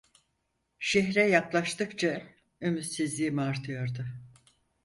Şehre yaklaştıkça ümitsizliğim artıyordu.